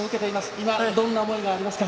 今、どんな思いがありますか。